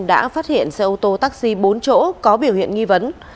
đã phát hiện xe ô tô taxi bốn chỗ có biểu hiện nghi vấn